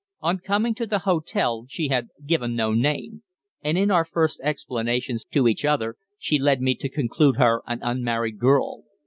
"On coming to the hotel she had given no name; and in our first explanations to each other she led me to conclude her an unmarried girl.